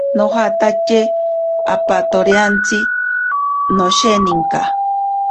Nojatache apatotaantsi nosheninka.